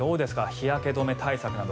日焼け止め対策など。